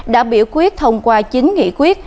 đã biểu quyết thông qua chín nghị quyết